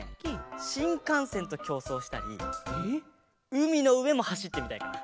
しんかんせんときょうそうしたりうみのうえもはしってみたいかな。